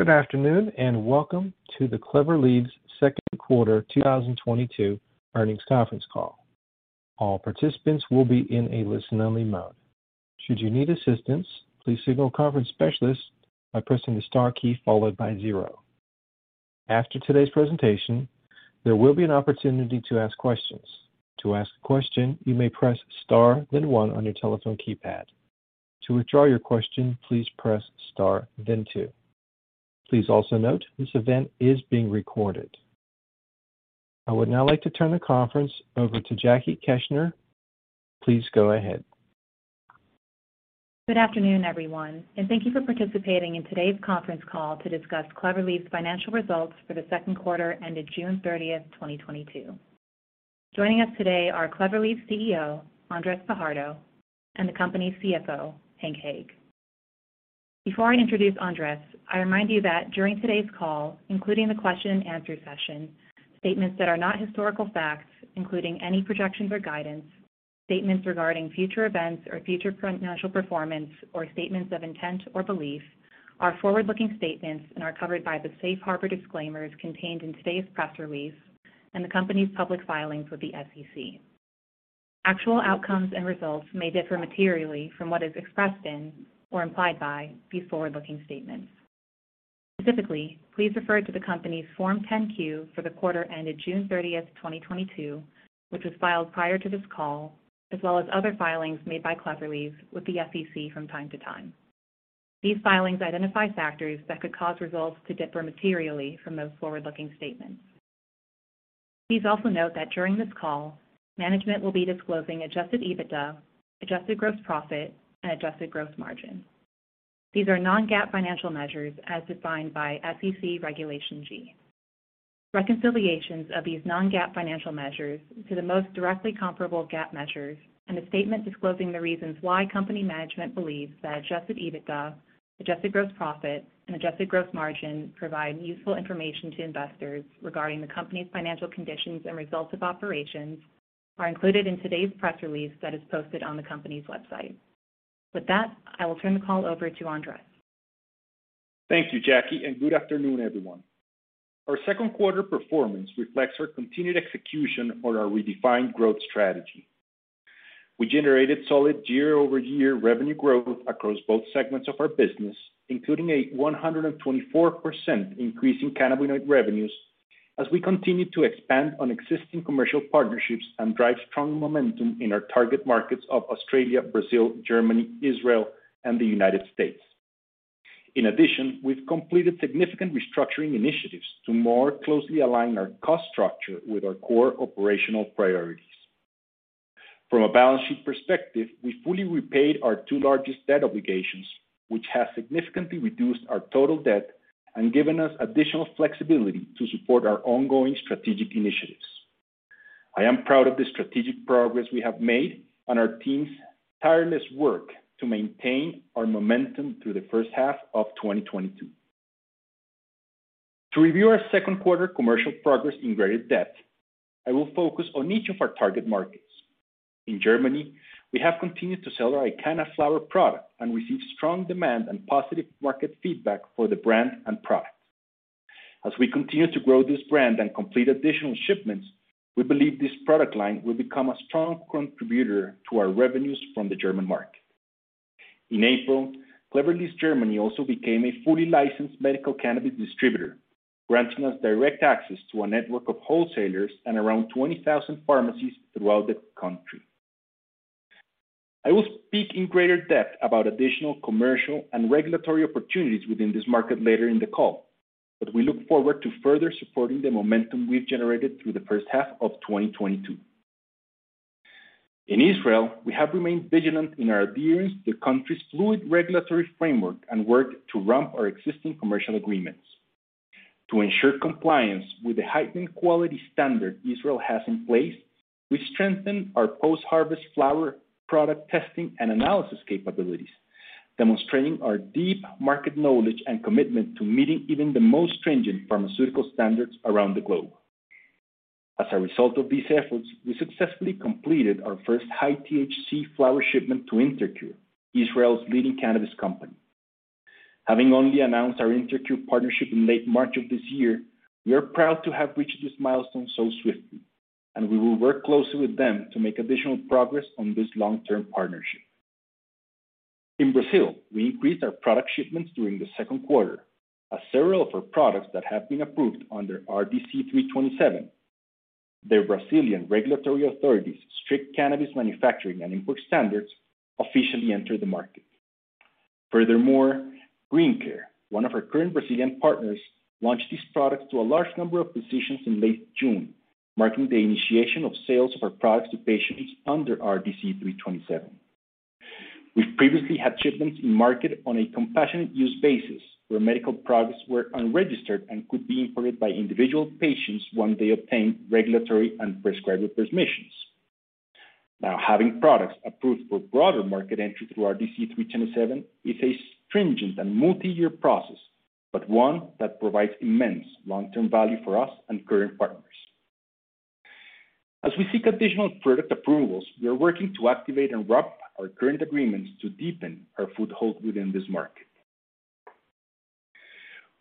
Good afternoon, welcome to the Clever Leaves second quarter 2022 earnings conference call. All participants will be in a listen-only mode. Should you need assistance, please signal a conference specialist by pressing the star key followed by zero. After today's presentation, there will be an opportunity to ask questions. To ask a question, you may press Star then one on your telephone keypad. To withdraw your question, please press Star then two. Please also note this event is being recorded. I would now like to turn the conference over to Jackie Keshner. Please go ahead. Good afternoon, everyone, and thank you for participating in today's conference call to discuss Clever Leaves financial results for the second quarter ended June 30th, 2022. Joining us today are Clever Leaves CEO Andrés Fajardo, and the company's CFO, Hank Hague. Before I introduce Andrés, I remind you that during today's call, including the question and answer session, statements that are not historical facts, including any projections or guidance, statements regarding future events or future financial performance, or statements of intent or belief are forward-looking statements and are covered by the safe harbor disclaimers contained in today's press release and the company's public filings with the SEC. Actual outcomes and results may differ materially from what is expressed in or implied by these forward-looking statements. Specifically, please refer to the company's Form 10-Q for the quarter ended June 30th, 2022, which was filed prior to this call, as well as other filings made by Clever Leaves with the SEC from time to time. These filings identify factors that could cause results to differ materially from those forward-looking statements. Please also note that during this call, management will be disclosing adjusted EBITDA, adjusted gross profit, and adjusted gross margin. These are non-GAAP financial measures as defined by SEC Regulation G. Reconciliations of these non-GAAP financial measures to the most directly comparable GAAP measures and a statement disclosing the reasons why company management believes that adjusted EBITDA, adjusted gross profit, and adjusted gross margin provide useful information to investors regarding the company's financial conditions and results of operations are included in today's press release that is posted on the company's website. With that, I will turn the call over to Andrés. Thank you, Jackie, and good afternoon, everyone. Our second quarter performance reflects our continued execution on our redefined growth strategy. We generated solid year-over-year revenue growth across both segments of our business, including a 124% increase in cannabinoid revenues as we continue to expand on existing commercial partnerships and drive strong momentum in our target markets of Australia, Brazil, Germany, Israel, and the United States. In addition, we've completed significant restructuring initiatives to more closely align our cost structure with our core operational priorities. From a balance sheet perspective, we fully repaid our two largest debt obligations, which has significantly reduced our total debt and given us additional flexibility to support our ongoing strategic initiatives. I am proud of the strategic progress we have made and our team's tireless work to maintain our momentum through the first half of 2022. To review our second quarter commercial progress in greater depth, I will focus on each of our target markets. In Germany, we have continued to sell our IQANNA flower product and received strong demand and positive market feedback for the brand and product. As we continue to grow this brand and complete additional shipments, we believe this product line will become a strong contributor to our revenues from the German market. In April, Clever Leaves Germany also became a fully licensed medical cannabis distributor, granting us direct access to a network of wholesalers and around 20,000 pharmacies throughout the country. I will speak in greater depth about additional commercial and regulatory opportunities within this market later in the call, but we look forward to further supporting the momentum we've generated through the first half of 2022. In Israel, we have remained vigilant in our adherence to the country's fluid regulatory framework and worked to ramp our existing commercial agreements. To ensure compliance with the heightened quality standard Israel has in place, we strengthened our post-harvest flower product testing and analysis capabilities, demonstrating our deep market knowledge and commitment to meeting even the most stringent pharmaceutical standards around the globe. As a result of these efforts, we successfully completed our first high-THC flower shipment to InterCure, Israel's leading cannabis company. Having only announced our InterCure partnership in late March of this year, we are proud to have reached this milestone so swiftly, and we will work closely with them to make additional progress on this long-term partnership. In Brazil, we increased our product shipments during the second quarter as several of our products that have been approved under RDC 327, the Brazilian regulatory authority's strict cannabis manufacturing and import standards, officially entered the market. Furthermore, GreenCare, one of our current Brazilian partners, launched these products to a large number of physicians in late June, marking the initiation of sales of our products to patients under RDC 327. We've previously had shipments in market on a compassionate use basis, where medical products were unregistered and could be imported by individual patients once they obtained regulatory and prescriber permissions. Now, having products approved for broader market entry through RDC 327 is a stringent and multi-year process, but one that provides immense long-term value for us and current partners. As we seek additional product approvals, we are working to activate and ramp our current agreements to deepen our foothold within this market.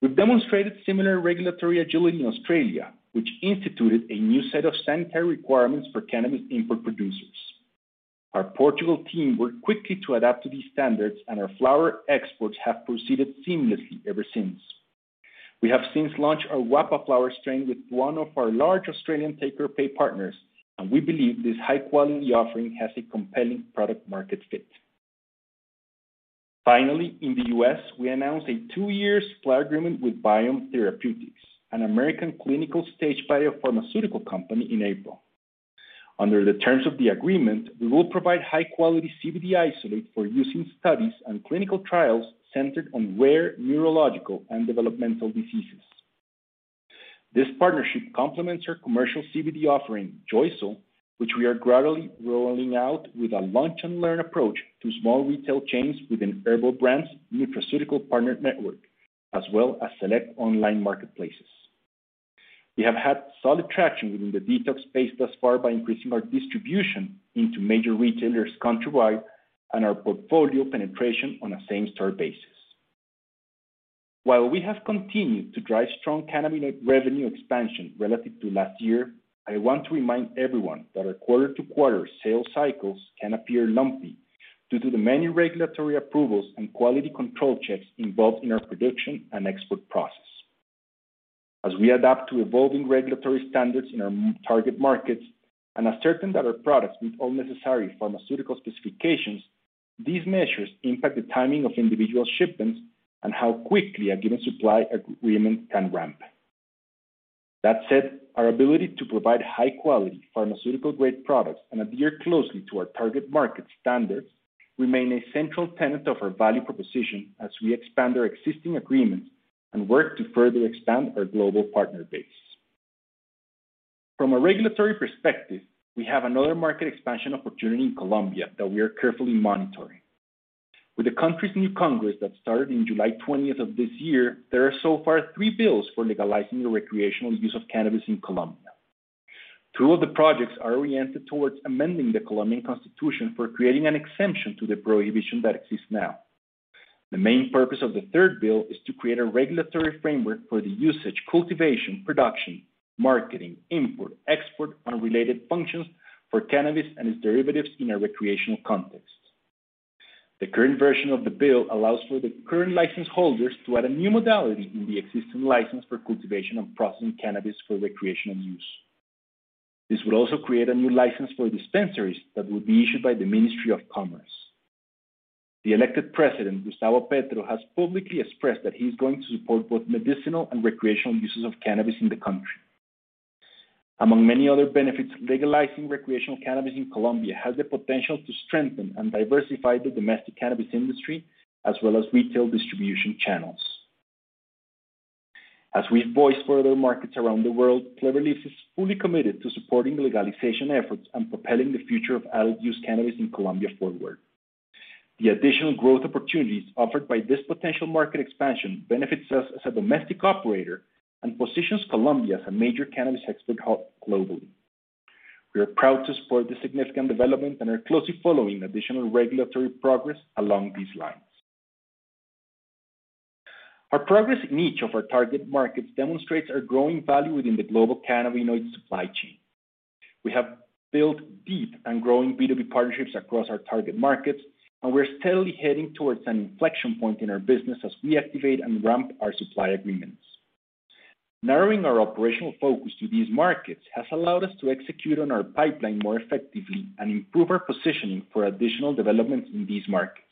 We've demonstrated similar regulatory agility in Australia, which instituted a new set of sanitary requirements for cannabis import producers. Our Portugal team worked quickly to adapt to these standards, and our flower exports have proceeded seamlessly ever since. We have since launched our Wappa flower strain with one of our large Australian take-or-pay partners, and we believe this high-quality offering has a compelling product market fit. Finally, in the U.S., we announced a two-year supply agreement with Biom Therapeutics, an American clinical-stage biopharmaceutical company in April. Under the terms of the agreement, we will provide high-quality CBD isolate for use in studies and clinical trials centered on rare neurological and developmental diseases. This partnership complements our commercial CBD offering, JoySol, which we are gradually rolling out with a launch-and-learn approach to small retail chains within Herbal Brands' nutraceutical partnered network, as well as select online marketplaces. We have had solid traction within the detox space thus far by increasing our distribution into major retailers countrywide and our portfolio penetration on a same-store basis. While we have continued to drive strong cannabinoid revenue expansion relative to last year, I want to remind everyone that our quarter-to-quarter sales cycles can appear lumpy due to the many regulatory approvals and quality control checks involved in our production and export process. As we adapt to evolving regulatory standards in our target markets and are certain that our products meet all necessary pharmaceutical specifications, these measures impact the timing of individual shipments and how quickly a given supply agreement can ramp. That said, our ability to provide high-quality, pharmaceutical-grade products and adhere closely to our target market standards remain a central tenet of our value proposition as we expand our existing agreements and work to further expand our global partner base. From a regulatory perspective, we have another market expansion opportunity in Colombia that we are carefully monitoring. With the country's new Congress that started in July twentieth of this year, there are so far three bills for legalizing the recreational use of cannabis in Colombia. Two of the projects are oriented towards amending the Colombian constitution for creating an exemption to the prohibition that exists now. The main purpose of the third bill is to create a regulatory framework for the usage, cultivation, production, marketing, import, export, and related functions for cannabis and its derivatives in a recreational context. The current version of the bill allows for the current license holders to add a new modality in the existing license for cultivation and processing cannabis for recreational use. This would also create a new license for dispensaries that would be issued by the Ministry of Commerce. President Gustavo Petro has publicly expressed that he's going to support both medicinal and recreational uses of cannabis in the country. Among many other benefits, legalizing recreational cannabis in Colombia has the potential to strengthen and diversify the domestic cannabis industry as well as retail distribution channels. As we've voiced for other markets around the world, Clever Leaves is fully committed to supporting legalization efforts and propelling the future of adult-use cannabis in Colombia forward. The additional growth opportunities offered by this potential market expansion benefits us as a domestic operator and positions Colombia as a major cannabis export hub globally. We are proud to support this significant development and are closely following additional regulatory progress along these lines. Our progress in each of our target markets demonstrates our growing value within the global cannabinoid supply chain. We have built deep and growing B2B partnerships across our target markets, and we're steadily heading towards an inflection point in our business as we activate and ramp our supply agreements. Narrowing our operational focus to these markets has allowed us to execute on our pipeline more effectively and improve our positioning for additional developments in these markets.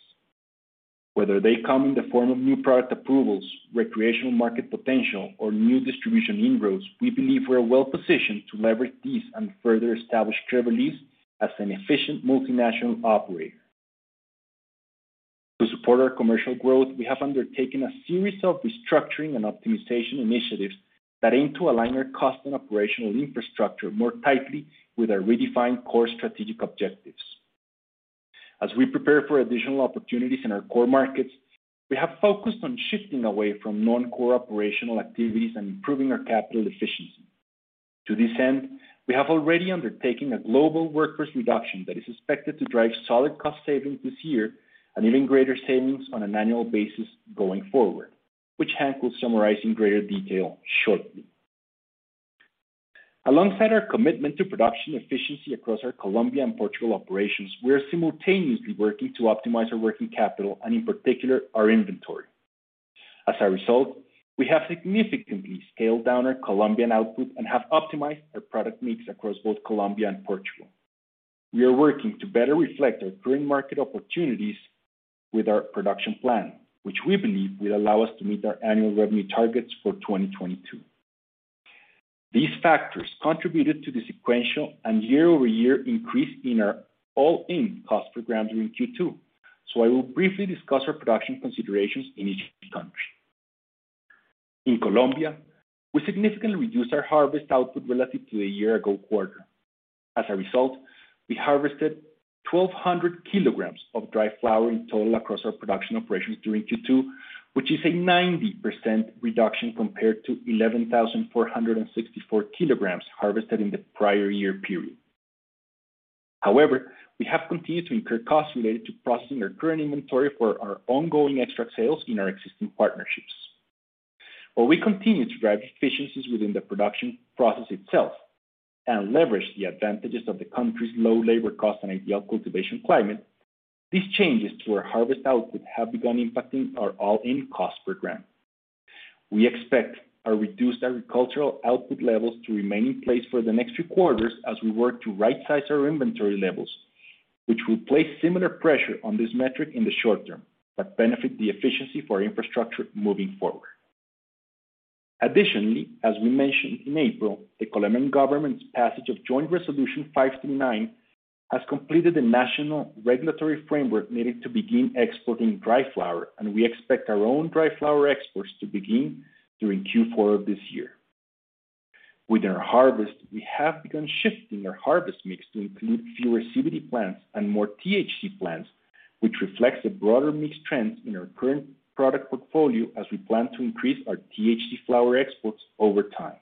Whether they come in the form of new product approvals, recreational market potential, or new distribution inroads, we believe we're well-positioned to leverage these and further establish Clever Leaves as an efficient multinational operator. To support our commercial growth, we have undertaken a series of restructuring and optimization initiatives that aim to align our cost and operational infrastructure more tightly with our redefined core strategic objectives. As we prepare for additional opportunities in our core markets, we have focused on shifting away from non-core operational activities and improving our capital efficiency. To this end, we have already undertaken a global workforce reduction that is expected to drive solid cost savings this year and even greater savings on an annual basis going forward, which Hank will summarize in greater detail shortly. Alongside our commitment to production efficiency across our Colombia and Portugal operations, we are simultaneously working to optimize our working capital and, in particular, our inventory. As a result, we have significantly scaled down our Colombian output and have optimized our product mix across both Colombia and Portugal. We are working to better reflect our current market opportunities with our production plan, which we believe will allow us to meet our annual revenue targets for 2022. These factors contributed to the sequential and year-over-year increase in our all-in cost per gram during Q2. I will briefly discuss our production considerations in each country. In Colombia, we significantly reduced our harvest output relative to a year ago quarter. As a result, we harvested 1,200 kilograms of dried flower in total across our production operations during Q2, which is a 90% reduction compared to 11,464 kilograms harvested in the prior year period. However, we have continued to incur costs related to processing our current inventory for our ongoing extract sales in our existing partnerships. While we continue to drive efficiencies within the production process itself and leverage the advantages of the country's low labor cost and ideal cultivation climate, these changes to our harvest output have begun impacting our all-in cost per gram. We expect our reduced agricultural output levels to remain in place for the next few quarters as we work to right-size our inventory levels, which will place similar pressure on this metric in the short term, but benefit the efficiency for our infrastructure moving forward. Additionally, as we mentioned in April, the Colombian government's passage of Joint Resolution 539 has completed the national regulatory framework needed to begin exporting dry flower, and we expect our own dry flower exports to begin during Q4 of this year. With our harvest, we have begun shifting our harvest mix to include fewer CBD plants and more THC plants, which reflects the broader mixed trends in our current product portfolio as we plan to increase our THC flower exports over time.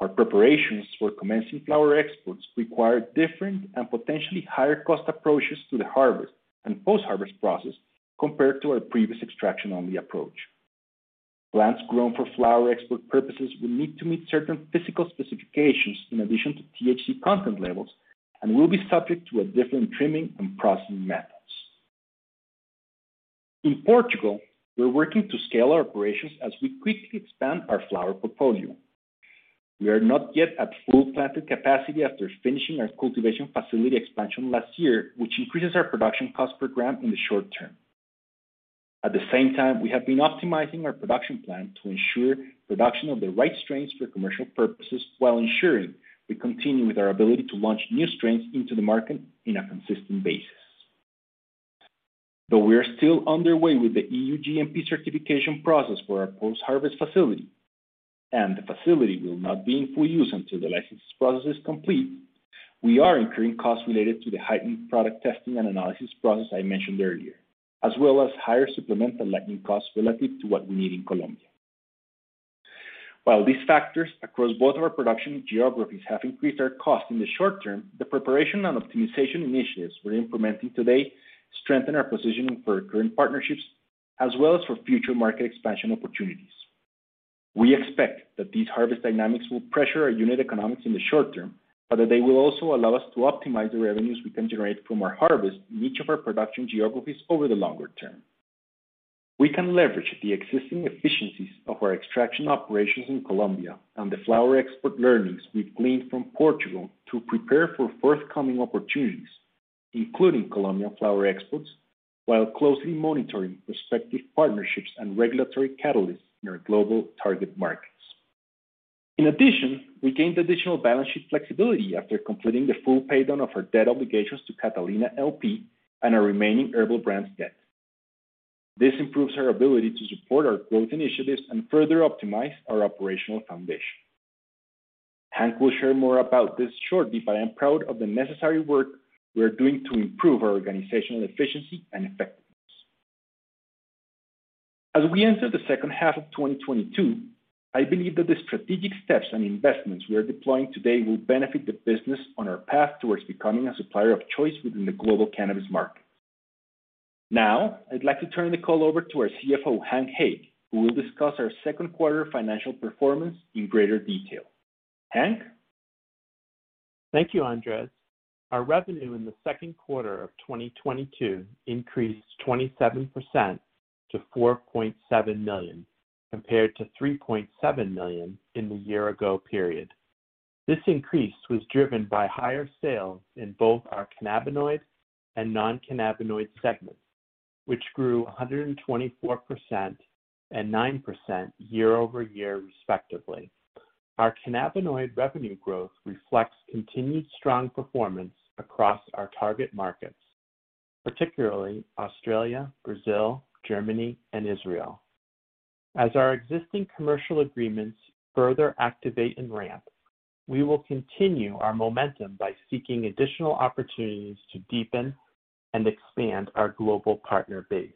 Our preparations for commencing flower exports require different and potentially higher cost approaches to the harvest and post-harvest process compared to our previous extraction-only approach. Plants grown for flower export purposes will need to meet certain physical specifications in addition to THC content levels and will be subject to a different trimming and processing methods. In Portugal, we're working to scale our operations as we quickly expand our flower portfolio. We are not yet at full planted capacity after finishing our cultivation facility expansion last year, which increases our production cost per gram in the short term. At the same time, we have been optimizing our production plan to ensure production of the right strains for commercial purposes while ensuring we continue with our ability to launch new strains into the market on a consistent basis. Though we are still underway with the EU GMP certification process for our post-harvest facility, and the facility will not be in full use until the licensing process is complete, we are incurring costs related to the heightened product testing and analysis process I mentioned earlier, as well as higher supplemental lighting costs relative to what we need in Colombia. While these factors across both of our production geographies have increased our cost in the short term, the preparation and optimization initiatives we're implementing today strengthen our positioning for our current partnerships as well as for future market expansion opportunities. We expect that these harvest dynamics will pressure our unit economics in the short term, but that they will also allow us to optimize the revenues we can generate from our harvest in each of our production geographies over the longer term. We can leverage the existing efficiencies of our extraction operations in Colombia and the flower export learnings we've gleaned from Portugal to prepare for forthcoming opportunities, including Colombian flower exports, while closely monitoring prospective partnerships and regulatory catalysts in our global target markets. In addition, we gained additional balance sheet flexibility after completing the full pay down of our debt obligations to Catalina LP and our remaining Herbal Brands debt. This improves our ability to support our growth initiatives and further optimize our operational foundation. Hank will share more about this shortly, but I am proud of the necessary work we are doing to improve our organizational efficiency and effectiveness. As we enter the second half of 2022, I believe that the strategic steps and investments we are deploying today will benefit the business on our path towards becoming a supplier of choice within the global cannabis market. Now, I'd like to turn the call over to our CFO, Hank Hague, who will discuss our second quarter financial performance in greater detail. Hank? Thank you, Andrés. Our revenue in the second quarter of 2022 increased 27% to $4.7 million, compared to $3.7 million in the year ago period. This increase was driven by higher sales in both our cannabinoid and non-cannabinoid segments, which grew 124% and 9% year-over-year, respectively. Our cannabinoid revenue growth reflects continued strong performance across our target markets, particularly Australia, Brazil, Germany, and Israel. Our existing commercial agreements further activate and ramp. We will continue our momentum by seeking additional opportunities to deepen and expand our global partner base.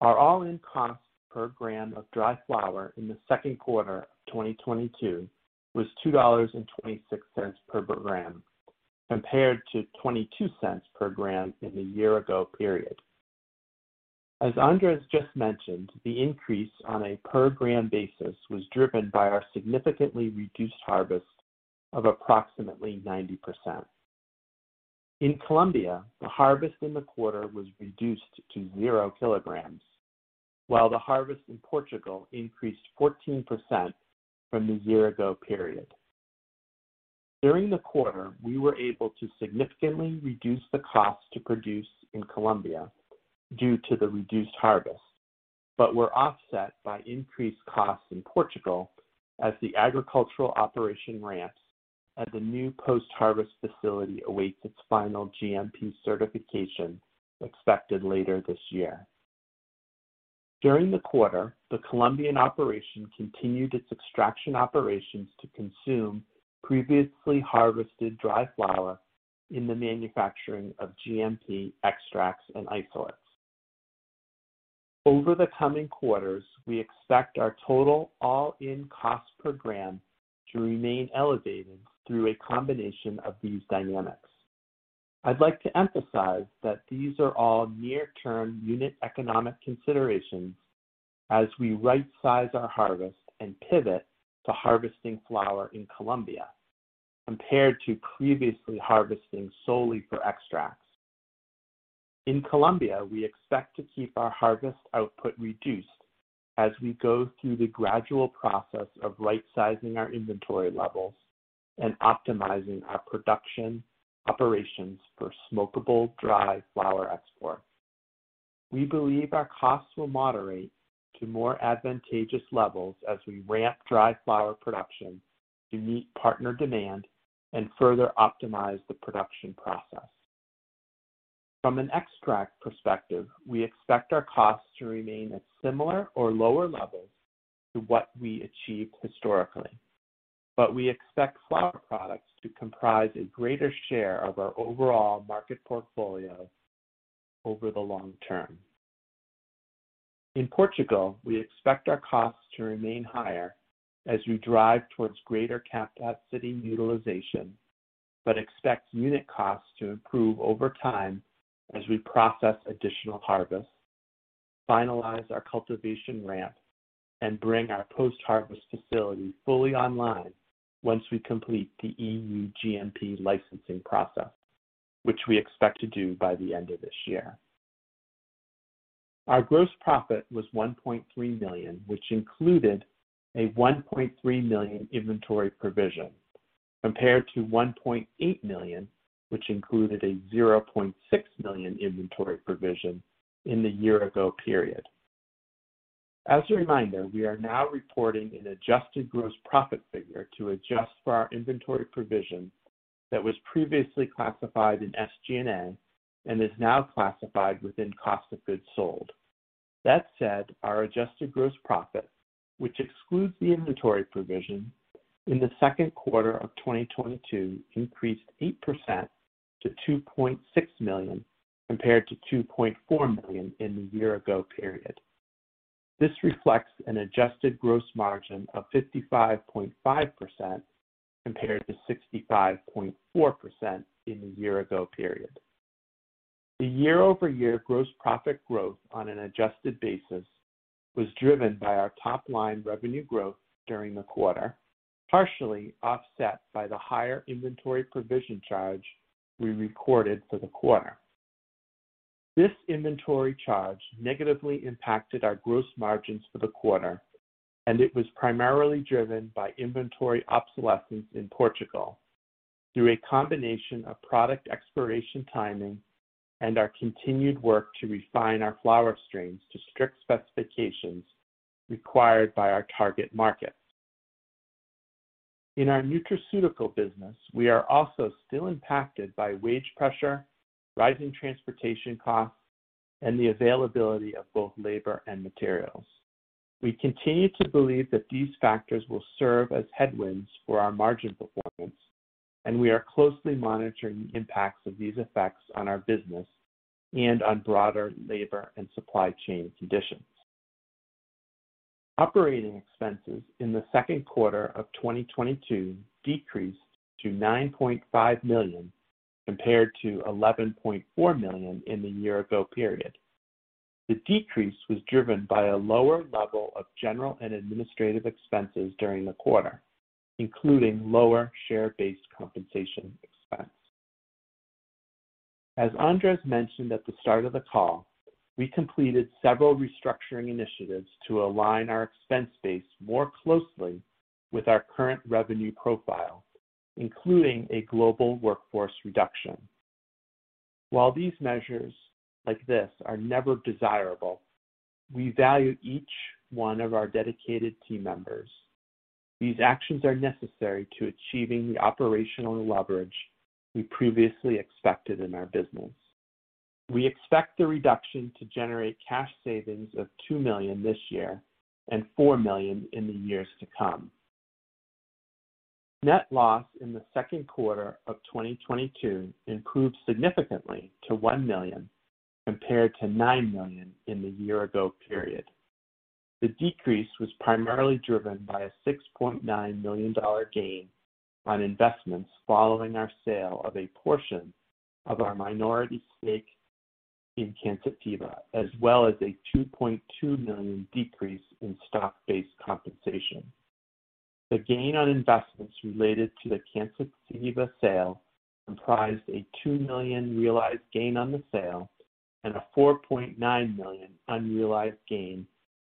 Our all-in cost per gram of dry flower in the second quarter of 2022 was $2.26 per gram, compared to $0.22 per gram in the year ago period. As Andrés just mentioned, the increase on a per gram basis was driven by our significantly reduced harvest of approximately 90%. In Colombia, the harvest in the quarter was reduced to zero kilograms, while the harvest in Portugal increased 14% from the year-ago period. During the quarter, we were able to significantly reduce the cost to produce in Colombia due to the reduced harvest, but were offset by increased costs in Portugal as the agricultural operation ramps and the new post-harvest facility awaits its final GMP certification expected later this year. During the quarter, the Colombian operation continued its extraction operations to consume previously harvested dry flower in the manufacturing of GMP extracts and isolates. Over the coming quarters, we expect our total all-in cost per gram to remain elevated through a combination of these dynamics. I'd like to emphasize that these are all near-term unit economic considerations as we right-size our harvest and pivot to harvesting flower in Colombia, compared to previously harvesting solely for extracts. In Colombia, we expect to keep our harvest output reduced as we go through the gradual process of right-sizing our inventory levels and optimizing our production operations for smokable dry flower export. We believe our costs will moderate to more advantageous levels as we ramp dry flower production to meet partner demand and further optimize the production process. From an extract perspective, we expect our costs to remain at similar or lower levels to what we achieved historically. We expect flower products to comprise a greater share of our overall market portfolio over the long term. In Portugal, we expect our costs to remain higher as we drive towards greater capacity utilization, but expect unit costs to improve over time as we process additional harvests, finalize our cultivation ramp, and bring our post-harvest facility fully online once we complete the EU GMP licensing process, which we expect to do by the end of this year. Our gross profit was $1.3 million, which included a $1.3 million inventory provision, compared to $1.8 million, which included a $0.6 million inventory provision in the year ago period. As a reminder, we are now reporting an adjusted gross profit figure to adjust for our inventory provision that was previously classified in SG&A and is now classified within cost of goods sold. That said, our adjusted gross profit, which excludes the inventory provision, in the second quarter of 2022 increased 8% to $2.6 million, compared to $2.4 million in the year ago period. This reflects an adjusted gross margin of 55.5% compared to 65.4% in the year ago period. The year-over-year gross profit growth on an adjusted basis was driven by our top-line revenue growth during the quarter, partially offset by the higher inventory provision charge we recorded for the quarter. This inventory charge negatively impacted our gross margins for the quarter, and it was primarily driven by inventory obsolescence in Portugal through a combination of product expiration timing and our continued work to refine our flower strains to strict specifications required by our target markets. In our nutraceutical business, we are also still impacted by wage pressure, rising transportation costs, and the availability of both labor and materials. We continue to believe that these factors will serve as headwinds for our margin performance, and we are closely monitoring the impacts of these effects on our business and on broader labor and supply chain conditions. Operating expenses in the second quarter of 2022 decreased to $9.5 million compared to $11.4 million in the year ago period. The decrease was driven by a lower level of general and administrative expenses during the quarter, including lower share-based compensation expense. As Andrés mentioned at the start of the call, we completed several restructuring initiatives to align our expense base more closely with our current revenue profile, including a global workforce reduction. While these measures like this are never desirable, we value each one of our dedicated team members. These actions are necessary to achieving the operational leverage we previously expected in our business. We expect the reduction to generate cash savings of $2 million this year and $4 million in the years to come. Net loss in the second quarter of 2022 improved significantly to $1 million compared to $9 million in the year ago period. The decrease was primarily driven by a $6.9 million gain on investments following our sale of a portion of our minority stake in Cansativa, as well as a $2.2 million decrease in stock-based compensation. The gain on investments related to the Cansativa sale comprised a $2 million realized gain on the sale and a $4.9 million unrealized gain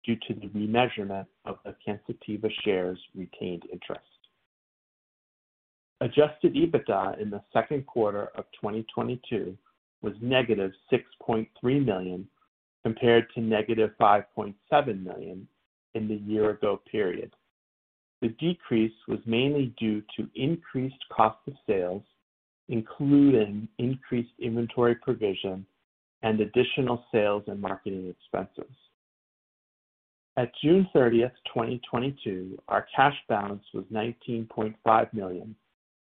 due to the remeasurement of the Cansativa shares retained interest. Adjusted EBITDA in the second quarter of 2022 was negative $6.3 million compared to negative $5.7 million in the year ago period. The decrease was mainly due to increased cost of sales, including increased inventory provision and additional sales and marketing expenses. At June 30, 2022, our cash balance was $19.5 million,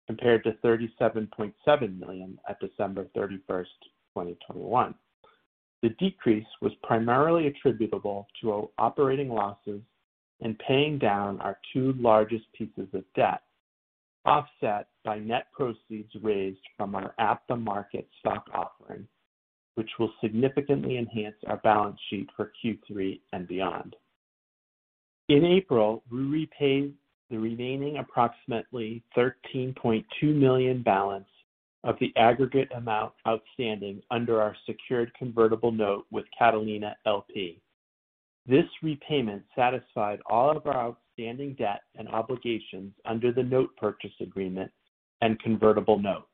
compared to $37.7 million at December 31, 2021. The decrease was primarily attributable to operating losses and paying down our two largest pieces of debt, offset by net proceeds raised from our at-the-market stock offering, which will significantly enhance our balance sheet for Q3 and beyond. In April, we repaid the remaining approximately $13.2 million balance of the aggregate amount outstanding under our secured convertible note with Catalina LP. This repayment satisfied all of our outstanding debt and obligations under the note purchase agreement and convertible note.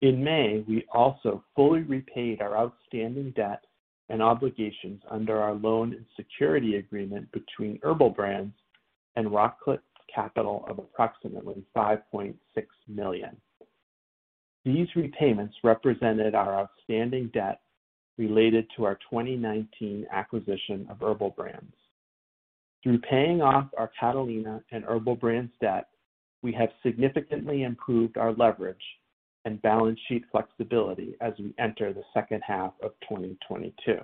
In May, we also fully repaid our outstanding debt and obligations under our loan and security agreement between Herbal Brands and Rockcliff Capital of approximately $5.6 million. These repayments represented our outstanding debt related to our 2019 acquisition of Herbal Brands. Through paying off our Catalina and Herbal Brands debt, we have significantly improved our leverage and balance sheet flexibility as we enter the second half of 2022.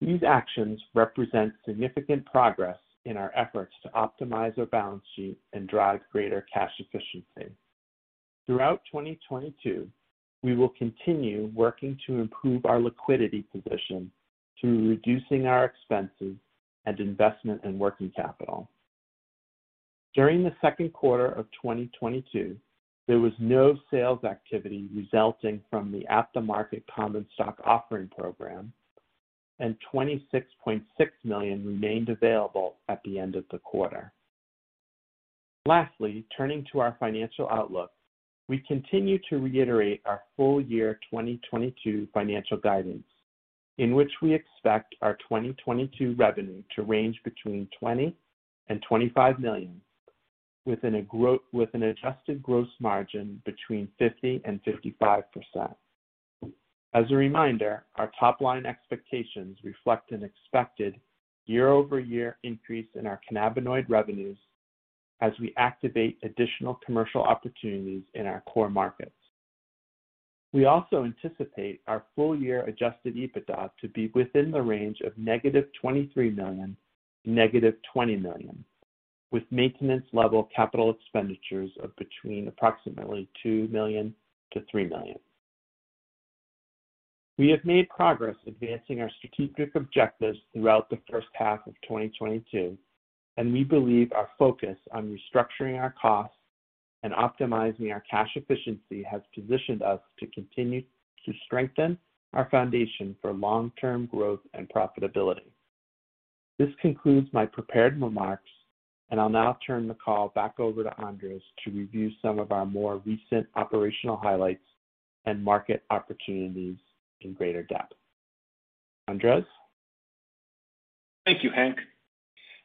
These actions represent significant progress in our efforts to optimize our balance sheet and drive greater cash efficiency. Throughout 2022, we will continue working to improve our liquidity position through reducing our expenses and investment in working capital. During the second quarter of 2022, there was no sales activity resulting from the at-the-market common stock offering program, and $26.6 million remained available at the end of the quarter. Lastly, turning to our financial outlook, we continue to reiterate our full-year 2022 financial guidance, in which we expect our 2022 revenue to range between $20-$25 million with an adjusted gross margin between 50%-55%. As a reminder, our top-line expectations reflect an expected year-over-year increase in our cannabinoid revenues as we activate additional commercial opportunities in our core markets. We anticipate our full year adjusted EBITDA to be within the range of -$23 million to -$20 million, with maintenance level capital expenditures of between approximately $2 million to $3 million. We have made progress advancing our strategic objectives throughout the first half of 2022, and we believe our focus on restructuring our costs and optimizing our cash efficiency has positioned us to continue to strengthen our foundation for long-term growth and profitability. This concludes my prepared remarks, and I'll now turn the call back over to Andrés to review some of our more recent operational highlights and market opportunities in greater depth. Andrés? Thank you, Hank.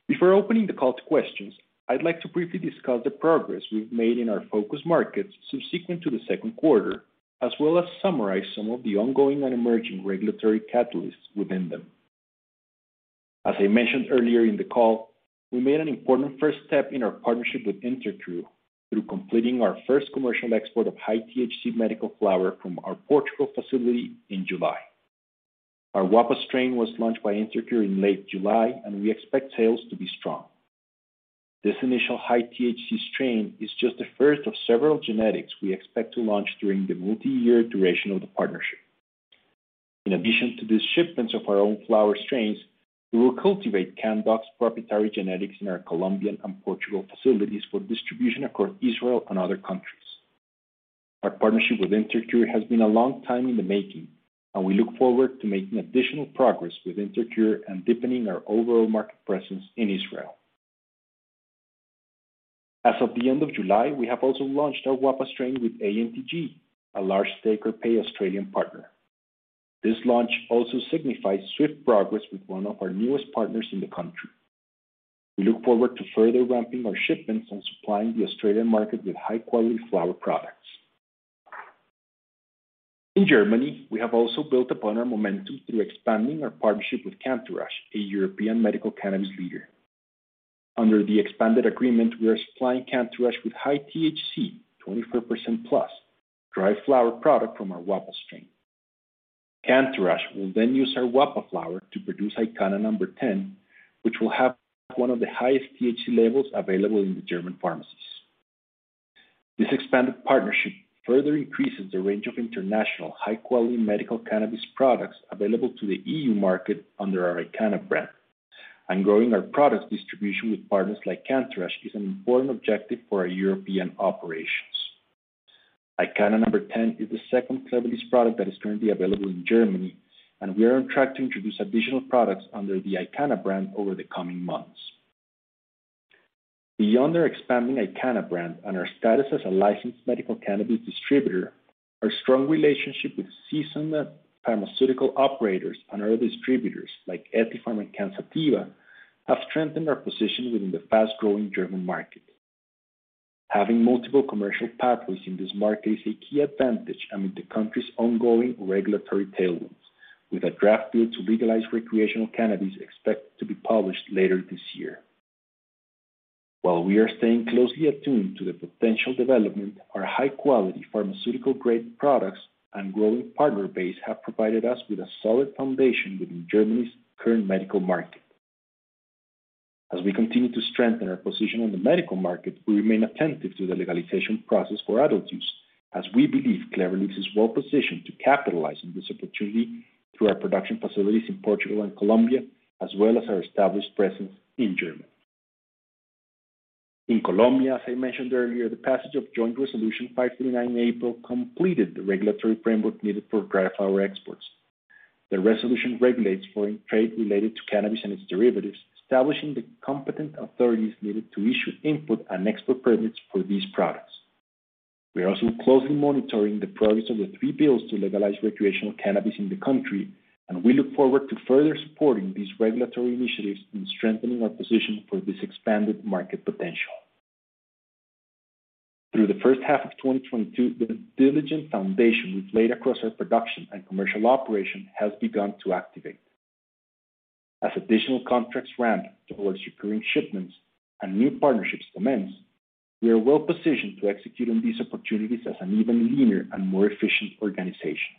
Before opening the call to questions, I'd like to briefly discuss the progress we've made in our focus markets subsequent to the second quarter, as well as summarize some of the ongoing and emerging regulatory catalysts within them. As I mentioned earlier in the call, we made an important first step in our partnership with InterCure through completing our first commercial export of high-THC medical flower from our Portugal facility in July. Our Wappa strain was launched by InterCure in late July, and we expect sales to be strong. This initial high-THC strain is just the first of several genetics we expect to launch during the multi-year duration of the partnership. In addition to the shipments of our own flower strains, we will cultivate Canndoc's proprietary genetics in our Colombian and Portugal facilities for distribution across Israel and other countries. Our partnership with InterCure has been a long time in the making, and we look forward to making additional progress with InterCure and deepening our overall market presence in Israel. As of the end of July, we have also launched our Wappa strain with ANTG, a large strategic Australian partner. This launch also signifies swift progress with one of our newest partners in the country. We look forward to further ramping our shipments and supplying the Australian market with high-quality flower products. In Germany, we have also built upon our momentum through expanding our partnership with Cantourage, a European medical cannabis leader. Under the expanded agreement, we are supplying Cantourage with high-THC, 24%+, dry flower product from our Wappa strain. Cantourage will then use our Wappa flower to produce IQANNA 10, which will have one of the highest THC levels available in the German pharmacies. This expanded partnership further increases the range of international high-quality medical cannabis products available to the EU market under our IQANNA brand. Growing our products distribution with partners like Cantourage is an important objective for our European operations. IQANNA 10 is the second Clever Leaves product that is currently available in Germany, and we are on track to introduce additional products under the IQANNA brand over the coming months. Beyond our expanding IQANNA brand and our status as a licensed medical cannabis distributor. Our strong relationship with seasoned pharmaceutical operators and other distributors like Ethypharm and Cansativa have strengthened our position within the fast-growing German market. Having multiple commercial pathways in this market is a key advantage amid the country's ongoing regulatory tailwinds, with a draft bill to legalize recreational cannabis expected to be published later this year. While we are staying closely attuned to the potential development, our high-quality pharmaceutical-grade products and growing partner base have provided us with a solid foundation within Germany's current medical market. As we continue to strengthen our position in the medical market, we remain attentive to the legalization process for adult use, as we believe Clever Leaves is well-positioned to capitalize on this opportunity through our production facilities in Portugal and Colombia, as well as our established presence in Germany. In Colombia, as I mentioned earlier, the passage of Joint Resolution 539 in April completed the regulatory framework needed for dry flower exports. The resolution regulates foreign trade related to cannabis and its derivatives, establishing the competent authorities needed to issue input and export permits for these products. We are also closely monitoring the progress of the three bills to legalize recreational cannabis in the country, and we look forward to further supporting these regulatory initiatives in strengthening our position for this expanded market potential. Through the first half of 2022, the diligent foundation we've laid across our production and commercial operation has begun to activate. As additional contracts ramp towards recurring shipments and new partnerships commence, we are well-positioned to execute on these opportunities as an even leaner and more efficient organization.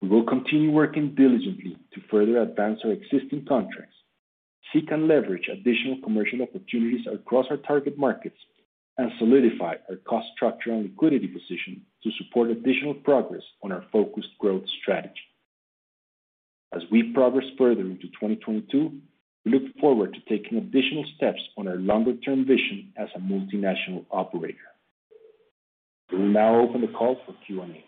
We will continue working diligently to further advance our existing contracts, seek and leverage additional commercial opportunities across our target markets, and solidify our cost structure and liquidity position to support additional progress on our focused growth strategy. As we progress further into 2022, we look forward to taking additional steps on our longer-term vision as a multinational operator. We will now open the call for Q&A.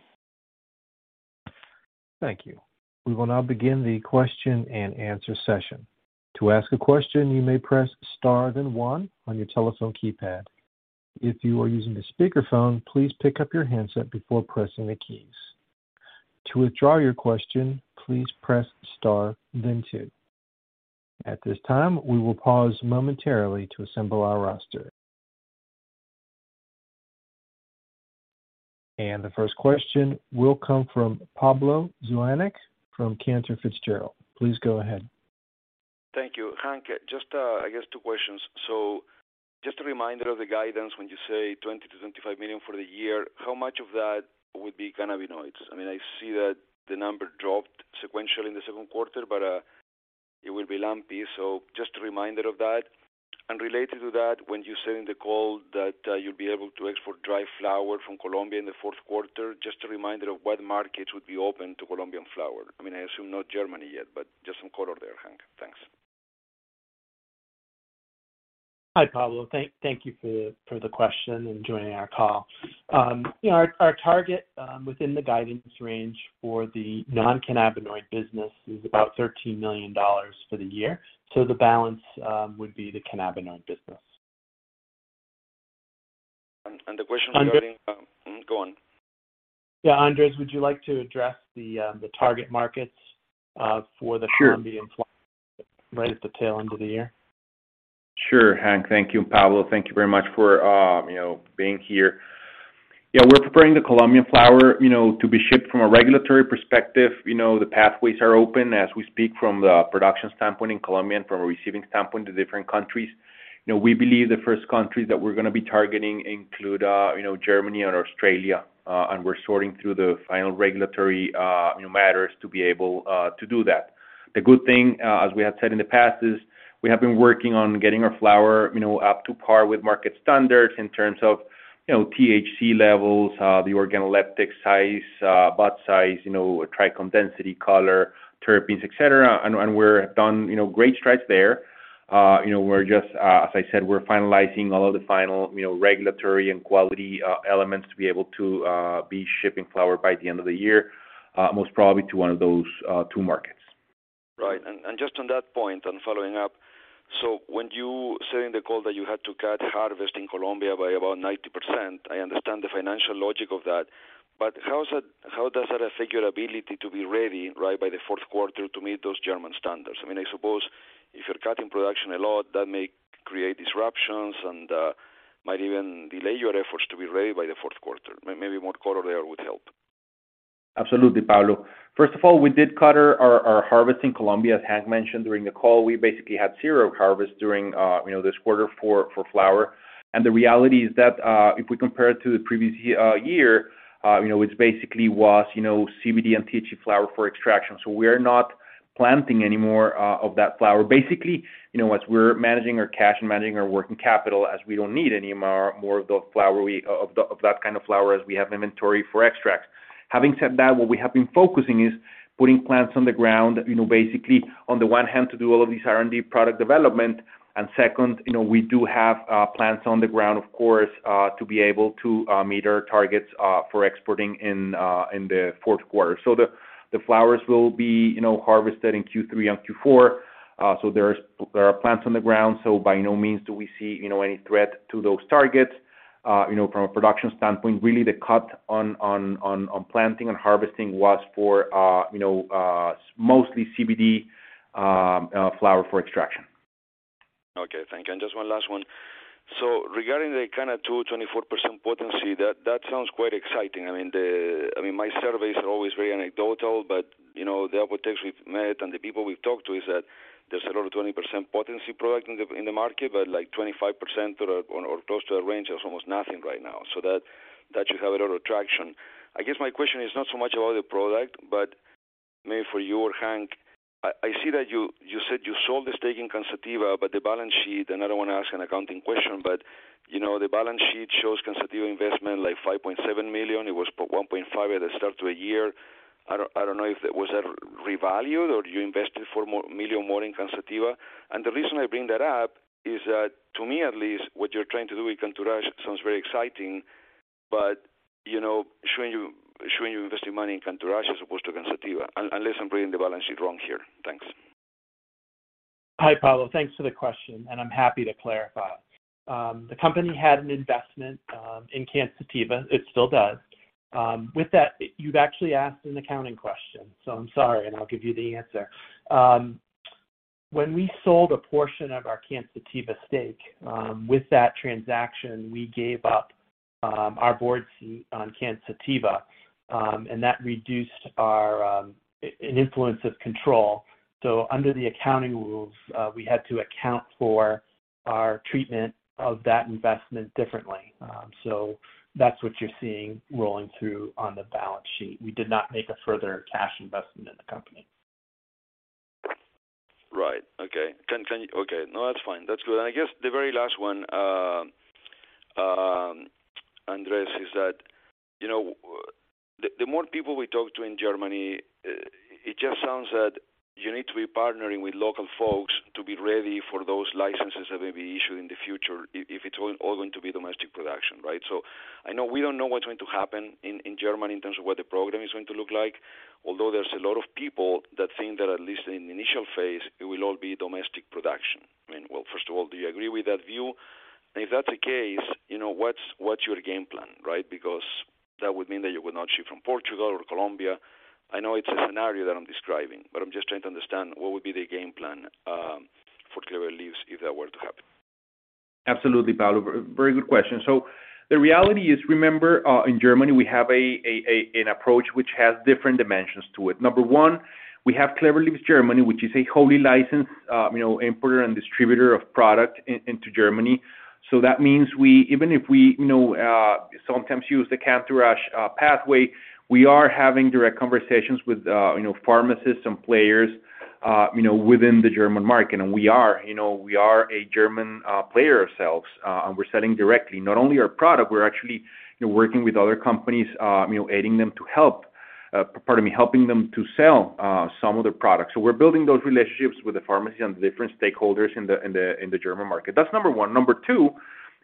Thank you. We will now begin the question-and-answer session. To ask a question, you may press star then one on your telephone keypad. If you are using a speakerphone, please pick up your handset before pressing the keys. To withdraw your question, please press star then two. At this time, we will pause momentarily to assemble our roster. The first question will come from Pablo Zuanic from Cantor Fitzgerald. Please go ahead. Thank you. Hank, just, I guess two questions. Just a reminder of the guidance when you say $20-$25 million for the year, how much of that would be cannabinoids? I mean, I see that the number dropped sequentially in the second quarter, but, it will be lumpy. Just a reminder of that. Related to that, when you said in the call that you'll be able to export dry flower from Colombia in the fourth quarter, just a reminder of what markets would be open to Colombian flower. I mean, I assume not Germany yet, but just some color there, Hank. Thanks. Hi, Pablo. Thank you for the question and joining our call. You know, our target within the guidance range for the non-cannabinoid business is about $13 million for the year. The balance would be the cannabinoid business. And, and the question regarding- Andr- Go on. Yeah. Andrés, would you like to address the target markets for the- Sure. Colombian flower right at the tail end of the year? Sure. Hank, thank you. Pablo, thank you very much for, you know, being here. Yeah, we're preparing the Colombian flower, you know, to be shipped from a regulatory perspective. You know, the pathways are open as we speak from the production standpoint in Colombia and from a receiving standpoint to different countries. You know, we believe the first countries that we're gonna be targeting include, you know, Germany and Australia, and we're sorting through the final regulatory, you know, matters to be able to do that. The good thing, as we have said in the past is we have been working on getting our flower, you know, up to par with market standards in terms of, you know, THC levels, the organoleptic size, bud size, you know, trichome density, color, terpenes, et cetera. We're done, you know, great strides there. You know, we're just, as I said, we're finalizing all of the final, you know, regulatory and quality elements to be able to be shipping flower by the end of the year, most probably to one of those two markets. Right. Just on that point and following up. When you said in the call that you had to cut harvest in Colombia by about 90%, I understand the financial logic of that, but how does that affect your ability to be ready, right, by the fourth quarter to meet those German standards? I mean, I suppose if you're cutting production a lot, that may create disruptions and, might even delay your efforts to be ready by the fourth quarter. Maybe more color there would help. Absolutely, Pablo. First of all, we did cut our harvest in Colombia. As Hank mentioned during the call, we basically had zero harvest during this quarter for flower. The reality is that, if we compare it to the previous year, which basically was CBD and THC flower for extraction. We're not planting any more of that flower. Basically, as we're managing our cash and managing our working capital, as we don't need any more of that kind of flower as we have inventory for extracts. Having said that, what we have been focusing is putting plants on the ground, basically on the one hand to do all of these R&D product development. Second, you know, we do have plants on the ground, of course, to be able to meet our targets for exporting in the fourth quarter. The flowers will be, you know, harvested in Q3 and Q4. There are plants on the ground. By no means do we see, you know, any threat to those targets. You know, from a production standpoint, really the cut on planting and harvesting was for, you know, mostly CBD flower for extraction. Okay, thank you. Just one last one. Regarding the kind of 22.4% potency, that sounds quite exciting. I mean, my surveys are always very anecdotal, but, you know, the experts we've met and the people we've talked to is that there's a lot of 20% potency product in the market, but like 25% or close to that range, there's almost nothing right now. That should have a lot of traction. I guess my question is not so much about the product, but maybe for you or Hank, I see that you said you sold the stake in Cansativa, but the balance sheet, and I don't wanna ask an accounting question, but, you know, the balance sheet shows Cansativa investment like $5.7 million. It was $1.5 at the start of the year. I don't know if that was ever revalued or you invested $4 million more in Cansativa. The reason I bring that up is that, to me at least, what you're trying to do in Cantourage sounds very exciting, but, you know, shouldn't you investing money in Cantourage as opposed to Cansativa, unless I'm reading the balance sheet wrong here. Thanks. Hi, Pablo. Thanks for the question, and I'm happy to clarify. The company had an investment in Cansativa. It still does. With that, you've actually asked an accounting question, so I'm sorry, and I'll give you the answer. When we sold a portion of our Cansativa stake, with that transaction, we gave up our board seat on Cansativa, and that reduced our influence or control. Under the accounting rules, we had to account for our treatment of that investment differently. That's what you're seeing rolling through on the balance sheet. We did not make a further cash investment in the company. Right. Okay. That's fine. That's good. I guess the very last one, Andrés, is that, you know, the more people we talk to in Germany, it just sounds that you need to be partnering with local folks to be ready for those licenses that may be issued in the future if it's all going to be domestic production, right? I know we don't know what's going to happen in Germany in terms of what the program is going to look like. Although there's a lot of people that think that at least in the initial phase, it will all be domestic production. I mean, well, first of all, do you agree with that view? If that's the case, you know, what's your game plan, right? Because that would mean that you would not ship from Portugal or Colombia. I know it's a scenario that I'm describing, but I'm just trying to understand what would be the game plan for Clever Leaves if that were to happen. Absolutely, Pablo. Very good question. The reality is, remember, in Germany, we have an approach which has different dimensions to it. Number one, we have Clever Leaves Germany, which is a wholly licensed, you know, importer and distributor of product into Germany. That means we even if we, you know, sometimes use the Cantourage pathway, we are having direct conversations with, you know, pharmacists and players, you know, within the German market. We are, you know, a German player ourselves, and we're selling directly. Not only our product, we're actually, you know, working with other companies, you know, helping them to sell some of their products. We're building those relationships with the pharmacy and the different stakeholders in the German market. That's number one. Number two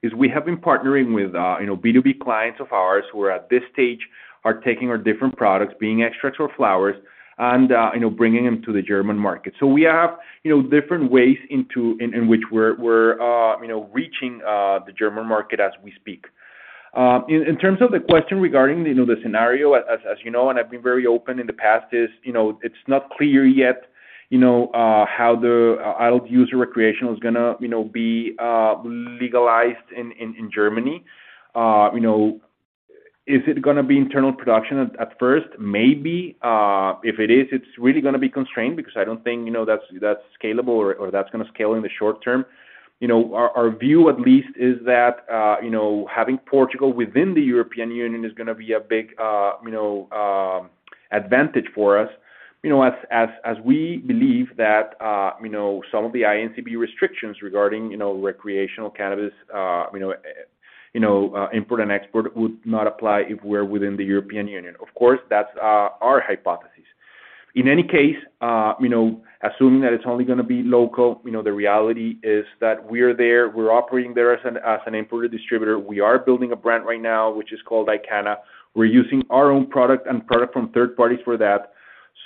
is we have been partnering with you know B2B clients of ours who at this stage are taking our different products, being extracts or flowers, and you know bringing them to the German market. We have you know different ways in which we're you know reaching the German market as we speak. In terms of the question regarding you know the scenario, as you know, and I've been very open in the past, you know, it's not clear yet, you know how the adult-use recreational is gonna you know be legalized in Germany. Is it gonna be internal production at first? Maybe. If it is, it's really gonna be constrained because I don't think, you know, that's scalable or that's gonna scale in the short term. You know, our view at least is that, you know, having Portugal within the European Union is gonna be a big, you know, advantage for us. You know, as we believe that, you know, some of the INCB restrictions regarding recreational cannabis, you know, import and export would not apply if we're within the European Union. Of course, that's our hypothesis. In any case, you know, assuming that it's only gonna be local, you know, the reality is that we're there, we're operating there as an importer distributor. We are building a brand right now, which is called IQANNA. We're using our own product and product from third parties for that.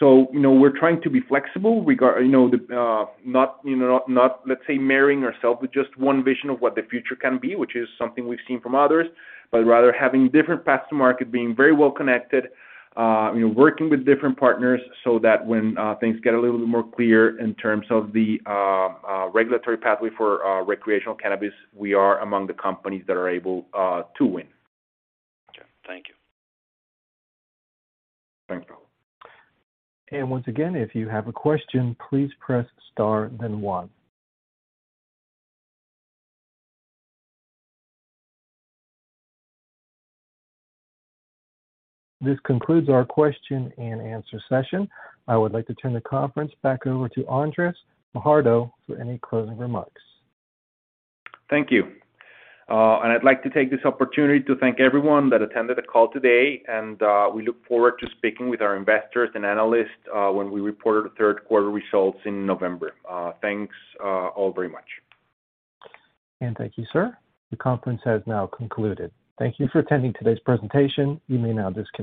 You know, we're trying to be flexible regarding, you know, not, you know, let's say, marrying ourselves with just one vision of what the future can be, which is something we've seen from others. Rather having different paths to market, being very well connected, you know, working with different partners so that when things get a little bit more clear in terms of the regulatory pathway for recreational cannabis, we are among the companies that are able to win. Okay. Thank you. Thanks, Pablo Zuanic. Once again, if you have a question, please press star then one. This concludes our question and answer session. I would like to turn the conference back over to Andrés Fajardo for any closing remarks. Thank you. I'd like to take this opportunity to thank everyone that attended the call today, and we look forward to speaking with our investors and analysts, when we report our third quarter results in November. Thanks, all very much. Thank you, sir. The conference has now concluded. Thank you for attending today's presentation. You may now disconnect.